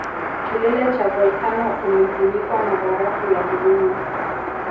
Kilele cha volkano umefunikwa na barafu ya kudumu